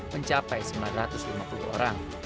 mencapai sembilan ratus lima puluh orang